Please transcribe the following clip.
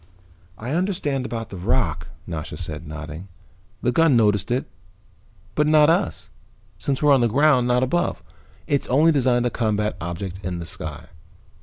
"I understand about the rock," Nasha said, nodding. "The gun noticed it, but not us, since we're on the ground, not above. It's only designed to combat objects in the sky.